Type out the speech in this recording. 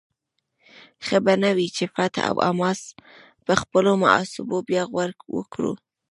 ښه به نه وي چې فتح او حماس پر خپلو محاسبو بیا غور وکړي؟